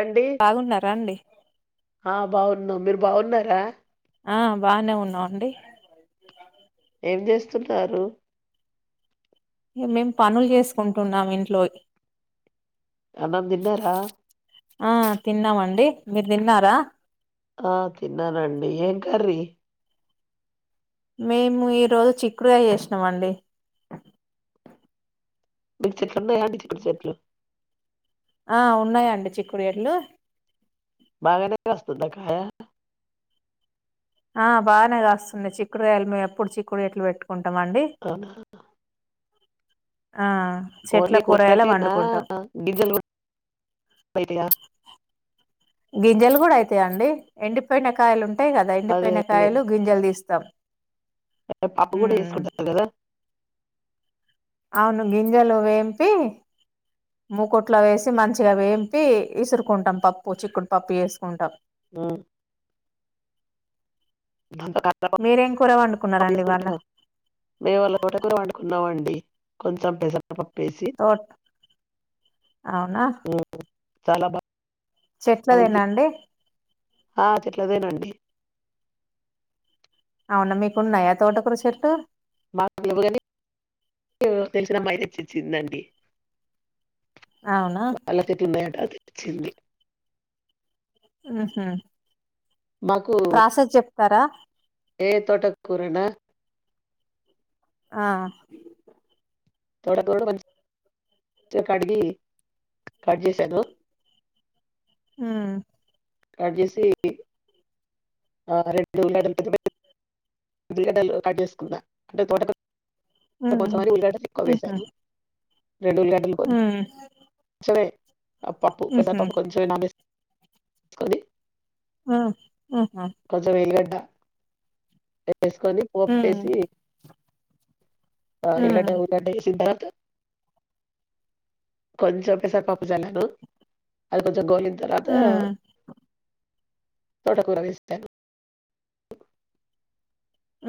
అండి. బాగున్నారా అండి ఆ బాగున్నాం మీరు బాగున్నారా ఆ బానే ఉన్నావండి ఏం చేస్తున్నారు ఇక మేం పనులు చేసుకుంటున్నాం ఇంట్లో అన్నం తిన్నారా ఆ తిన్నామండి మీరు తిన్నారా ఆ తిన్నానండి ఏం కర్రి మేము ఈ రోజు చిక్కుడు గాయ చేసినామండి మీకు చెట్లున్నాయండి చిక్కుడుచెట్లు ఆ ఉన్నాయండి చిక్కుడుయడ్లు బగానే కాస్తుంద కాయ ఆ బానే కాస్తుంది చిక్కుడుయలు మేము ఎప్పుడు చిక్కుడు ఎట్లు పెట్టుకు కుంటామండి అవునా? కూరగాయలా కుట్టకనా వండుకుంటాం గింజలు గింజలు కూడా అయితాయిండి ఎండిపోయిన కాయలు ఉంటాయి కదా అదే ఎండిపోయిన అదే. కాయలు గింజలు తీస్త తమ్ [inaudible] పప్పు కూడా వే సుకుంటారు కదా అవును గింజలు వేంపి మూకుట్లా వేసి మంచిగా వేంపి ఇసురుకుంటాం పప్పు చిక్కుడు పప్పు వేసుకుంటాం ఉమ్ మీరేం కూర వండుకున్నారండి ఇవాళ [unintelligible] మేము వాళ్ళ తోటకూర వండుకున్నామండి కొంచెం పెసర పప్పేసి తో అవునా చాల బా చెట్లదేనా అండి ఆ చెట్లదేనండి అవునా మీకున్నాయా తోటకూర చెట్టు మాకురగాయలు తెలిసిన అమ్మాయి తె చ్చిచ్చిందండి అవునా వాాలకికి మేడ తెచింది ఉహూ మాకు ఏ తోట కూరనా ఆ తోట కూర త కొ కడిగి కట్ చేసాను హ్మ్మ్ కట్ చేసి ఆ రెండు ల పె [unintelligible] అంటే తోట ఉమ్ ఉల్ ఎక్కువ ఉహు వేసాదు [inaudible] రెడూల్ గాడి కొ ఉమ్ సే పపూ ప్రజా ఉహు ప స నాస్త కొని హ్మ్మ్ కొంత ఉల్లిగడ్డ వేసుకొని పోప్ ఉమ్ వేసి ఉమ్ ఇలాంటి [inaudible] కొంచెం పెసరా పప్పు జల్లను ఆది కొం ద గోలినా తర్వాత ఉమ్ తోటకుర వేస్తను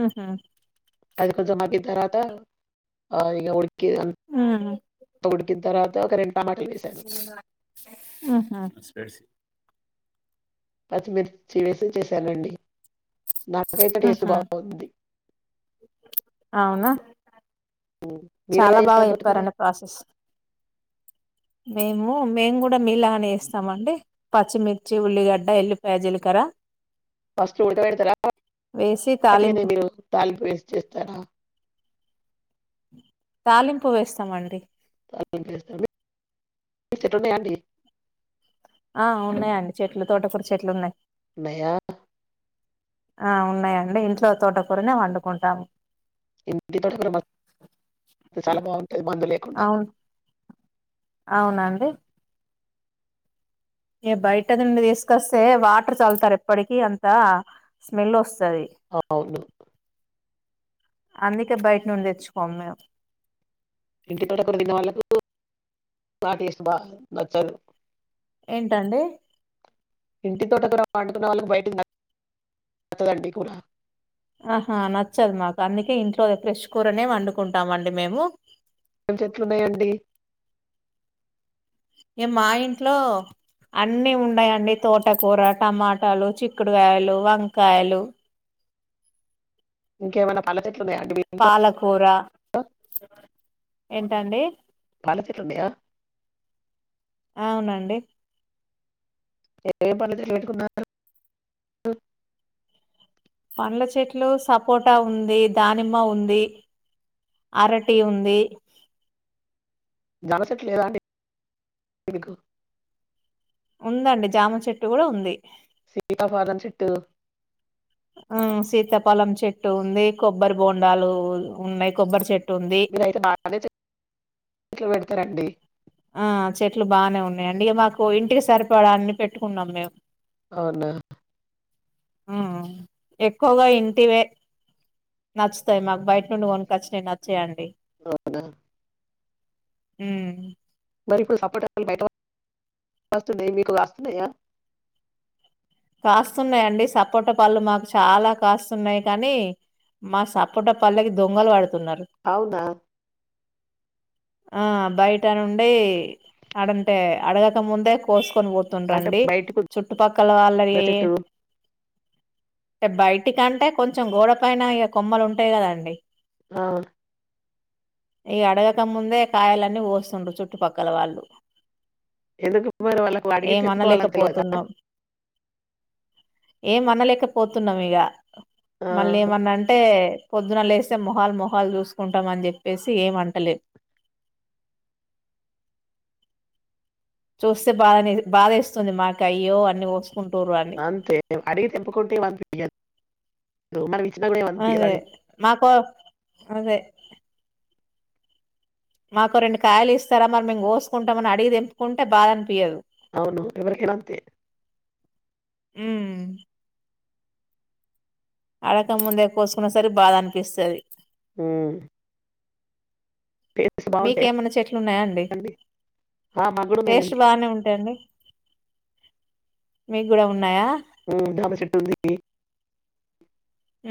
ఉహు అది కొంచం మగ్గిన తర్వాత ఆయిల్ ఉడుకిన్ ఉమ్ ఉడికిన తర్వాత ఒక టమాటాలు వేశాను. ఉహు పత్తిమిర్చి వేసి చేశానండి నాకైతే టేస్ట్ ఉహు బాగుంది అవునా ఉమ్. మీరు ఎలా చాలా బాగా చేస్తారు తోటకూర చెప్పారండి ప్రాసెస్ మేము మేము కూడా మీలా అనే ఏస్తామండి పచ్చిమిర్చి, ఉల్లిగడ్డ, ఎల్లిపాయ, జీలకర్ర రా ఫస్ట్ ఉడక పెడతారా వేసి వొట్టిగానే తాలింపు మీరు తాలింపు వేసి చేస్తారా తాలింపు వేస్తామండీ మీకు చెట్లు ఉన్నాయ అండి ఆ ఉన్నాయండి చెట్లు తోటకూర చెట్లు ఉన్నాయి ఉన్నాయా ఆ ఉన్నాయండి ఇంట్లో తోటకూరనే వండుకుంటాము ఇంటి మొక్కలు చాలా బాగుంటది మందు లేకుండా అవును అవునండి ఏ బయట నుండి తీసుకొస్తే వాటర్ చల్తారు ఎప్పటికి అంత స్మెల్ వస్త అ అవును అందుకే బయట నుండి తెచ్చుకోం మేము ఇంటి తోటకూర తిన్న వాళ్లకు ఆ టెస్ట్ బా నచ్చదు ఏంటండి ఇంటి తోట కూర వండుకునే వాళ్ళకి బయటది నచ్చాదండి కూర ఆహా నచ్చదు మాకు అందుకే ఇంట్లో ఫ్రైస్ కూర నే వండుకుంటామండి మేము ఏం చెట్లున్నాయండి ఏ మా ఇంట్లో అన్ని ఉన్నాయండి తోటకూర, టమాటాలు, చిక్కుడుకాయలు, వంకాయలు ఇంకేమన్న పండ్ల చెట్ల పాలకూర ఏంటండీ పాల చెట్లు ఉన్నాయా అవునండి ఎ [inaudible] పండ్ల చెట్లు సపోటా ఉంది దానిమ్మ ఉంది అరటి ఉంది దానిమ్మ చెట్టు లేదా అండి మీకు ఉందండి జామ చెట్టు కూడా ఉంది సీతా ఫలం చెట్టు ఆ సీతా ఫలం చెట్టు ఉంది కొబ్బరి బోండాలు ఉన్నాయి కొబ్బరి చెట్టు ఉంది మీరైతే బగానే చెట్లు పెడతారండి ఆ చెట్లు బానే ఉన్నాయి అండి ఇగ మాకు ఇంటికి సరిపడా అన్ని పెట్టుకున్నాం మేము అవునా ఆఆ ఎక్కువగా ఇంటివే నచ్చుతాయి మాకు బయట నుండి కొనుకొచ్చినవి నచ్చావండి అవునా ఉ మరి ఇప్పుడు సపోట బయట వస్తున్నాయి మీకు కాస్తున్నాయా కాస్తున్నాయండి సపోట పళ్ళు మాకు చాలా కాస్తున్నాయి కానీ మా సాపట పళ్లకి దొంగలు వడుతు అవునా ఆ బయట నుండి అడంటే అడగక ముందే కోసు కొని పోతుండ అంటే రండి బయటకు చుట్టుపక్కల వాళ్ళ ఉన్న ఏ చెట్టు బయట అటికంటే కొంచెం గోడ పైన కొమ్మలు ఉంటాయి కదండి ఆ ఈ అడగక ముందే కాయలన్నీ కోసుకుంటుంటారు చుట్టుపక్కల వాళ్ళు ఎందుకు మరి వాళ్ళకు అడిగి తేంపుకోవాలని తెలివాదా ఏమమనలేకపోతున్నాం ఇక ఆ మళ్ళీ ఏమన్నా అంటే పొద్దున లేస్తే మొహాల్ మొహాలు చూసుకుంటామని చెప్పేసి ఏమంటలే చూస్తే బాధ బాధ ఇస్తుంది మాకు అయ్యో అని కో కోసుకుంటుర్రు అంతే అడిగి తెప్పుకుంటే అదే మాకు అదే మాకు రెండు కాయలు ఇస్తారా మరి మేము కోసుకుంటామ అని అడిగి తెంపుకుంటే బాధ అనిపయదు అవును ఎవరికైనా అంతే ఊమ్ అడక్క ముందే కోసుకున్న సరే బాధ అనిపిస్తది హుమ్ మీకేమన్నా చెట్లు ఉన్నాయాండి ఆ మాకు కూడా టేస్ట్ ఉన్నాయండి బానే ఉంటయండి మీక్కూడా ఉన్నాయా జామ చెట్టు ఉంది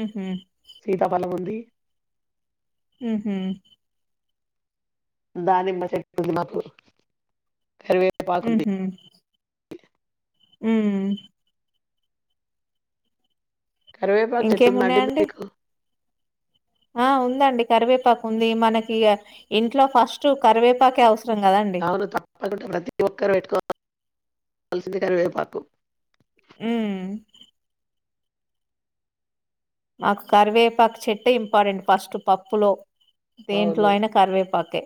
ఉహు సీతా పలం ఉంది ఊహు దానిమ్మ చెట్టుంది మాకు కరివేపాకు ఉంది ఊహు [inaudible] ఊ కరివేపాకు చెట్టుందాండి ఇంకేమున్నాయండి మీకు ఆ ఉందండి కరివేపాకు ఉంది మనకిగ ఇంట్లో ఫస్ట్ కరివేపాకే అవ అవును తప్పకుండా ప్రతి ఒక్కరు పెట్టుకోవాల్సింది కరివేపాకు ఊ మాకు కరివేపాకు చెట్టు ఇంపార్టెంట్ ఫస్ట్ పప్పులో దేంట్లో అవును అయిన కరివేపాకే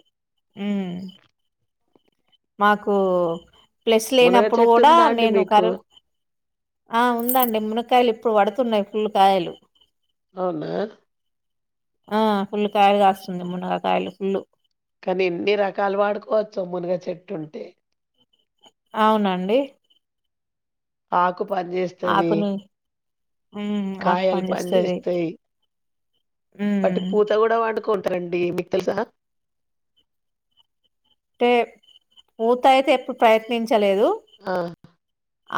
మాకు ప్లస్ మునగ లేనప్పుడు చెట్టు కూడా ఉందా అండి నేను మీకు కరివే ఆ ఉందండి మునక్కయలు ఇప్పుడు పడుతున్నాయి ఫుల్ కాయలు అవునా ఆ ఫుల్లు కాయలు కాస్తుంది మునగకాయలు ఫుల్లు కానీ ఎన్ని రకాలు వాడుకోవచ్చో మునగచెట్టు ఉంటే అవునండి ఆకు పనిచేస్తాంది ఆకుని ఉమ్ ఆకు కాయలు పని చేేస్తది పనిచేస్తాయి వాటి ఉమ్ పూత కూడా వండుకుంటరండి మీకు తెల్సా అంటే పూత అయితే ఎప్పుడు ప్రయత్నించలేదు ఆ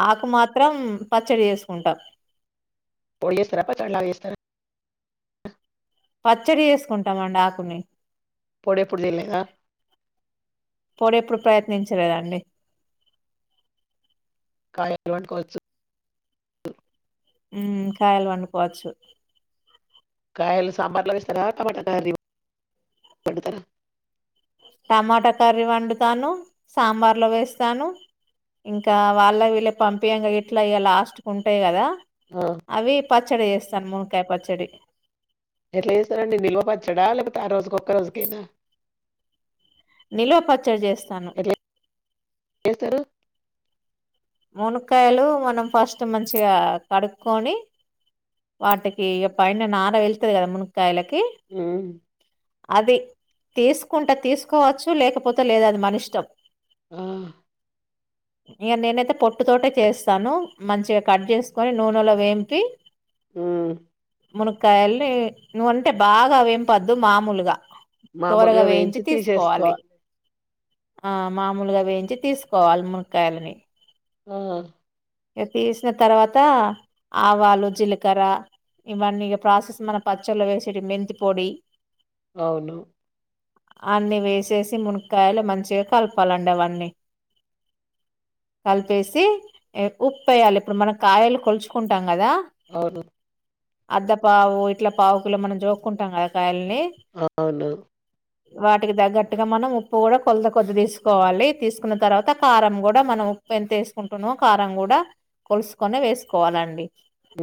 ఆకు మాత్రం పచ్చడి చేసుకుంటాం పొడి చేస్తరా పచ్చడి లాగా చేస్తారా పచ్చడి చేసుకుంటామండి ఆకుని పొడెప్పుడు చేయలేదా పొడి ఎప్పుడు ప్రయత్నించలేదండి ఎట్లా వండుకోవచ్చు ఉ ఊ కాయలు వండుకోవచ్చు కాయలు సాంబార్లో వేస్తారా టమాటా కర్రీ వండుతారా టమాటా కర్రీ వండుతాను సాంబార్ లో వేస్తాను ఇంకా వాళ్ళ వీళ్ళు పంపియంగ ఇట్లా ఇగ లాస్ట్ కుంటాయి కదా ఆ అవి పచ్చడి చేస్తాను మునక్కాయ పచ్చడి ఎట్లా చేస్తారండి నిల్వపచ్చడా లేకపోతే ఆ రోజుకు ఒక్క రోజుకేనా నిల్వ పచ్చడి చేస్తాను ఎట్ల చేస్తారు మునక్కాయలు మనం ఫస్ట్ మంచిగా కడుక్కోని వాటికి పైన నార వెళ్తది కదా మునక్కాయలకి హూమ్ అది తీసుకుంటా తీసుకోవచ్చు లేకపోతే లేదు అది మన ఇష్టం ఆ ఇక నేనైతే పొట్టు తోటే చేస్తాను మంచిగా కట్ చేసుకొని నూనెలో వేంపి ఉమ్ మునక్కయల్ని నువ్వుంటే బాగా వేంపద్దు మామూలుగా దోరగా మామూలుగా వేయించి తీసుకోవాలి తీసేసుకోవాలి ఆ మామూలుగా వేయించి తీసుకోవాలి మున కాయలని ఆ ఇక తీసిన తర్వాత ఆవాలు జీలకర్ర ఇవన్నీ ప్రాసెస్ మన పచ్చళ్ళ వేసేటి మెంతి పొడి అవును అన్నిీ వేసేసి మునకాయలు మంచిగా కలపాలండి అవన్నీ కలిపేసి ఉప్పు వేయాలి ఇప్పుడు మనం కాయలు కొలుచుకుంటాం కదా అవును అద్ద పావు ఇట్లా పావుకు మనం జోక్కుంటాం కదా కాయలు అవును వాటికి తగ్గట్టుగా మనం ఉప్పు కూడా కొల కొద్ది తీసుకోవాలి తీసుకున్న తర్వాత కారం కూడా మనం ఉప్పు ఎంత వేసుకుంటున్నో కారం కూడా కొలుసుకుొనే వేసుకోవాలండి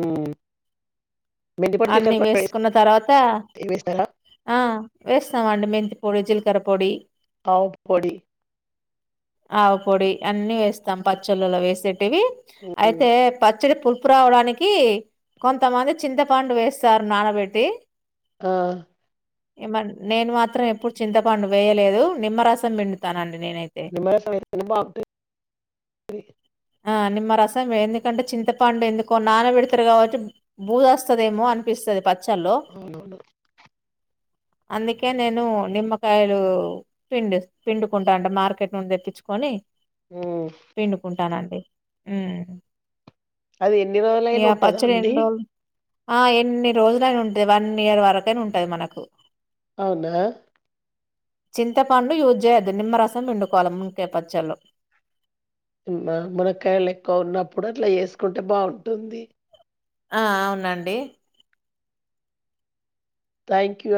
ఉమ్ అన్నిీ వేసుకున్న తర్వాత వేస్ వేస్తారా? ఆ వేస్తామఅండి మెంతి పొడి జీలకర్ర పొడి అవ్ పొడి ఆవ పొడి అన్నీ వేస్తాం పచ్చళ్ళలో వేసేటివి హ్మ్. అయితే పచ్చ పచ్చడి పులుపు రావడానికి కొంతమంది చింతపండు వేస్తారు నానబెట్టి ఆ ఏమన్ నేను మాత్రం ఎప్పుడు చింతపండు వేయలేదు నిమ్మరసం పిండుతానన్ నిమ్మరసం ఏసుకుంటే బాగుంటది ఆ నిమ్మ రసం వే ఎందుకంటే చింతపండు ఎందుకో నానబడతారు కాబట్టి భూజ్ వస్తదేమో అనిపిస్తది ప చ్చలో అవునవును. అందుకే నేను నిమ్మకాయలు పిండి పిండుకుంటా అంటే మార్కెట్ నుండి తెప్పించుకొని ఉమ్ ఉమ్ఇగ అది ఎన్ని రోజులైనా ఉంటదా పచ్చడి ఎన్ అండి? రోల్ ఆ ఎన్ని రోజులైనా ఉంటది వన్ ఇయర్ వరకైనా ఉంటది మనకు అవునా చింతపండు యూజ్ చేయద్దు నిమ్మరసం పిం డుకోవాల మున కాయ్ పచ్చల్లో అవున మునక్కయలు ఎక్కువ ఉన్నప్పుడు అట్లా చేసుకుంటే బాగుంటుంది ఆ అవునండి థ్యాంక్ యూ అన్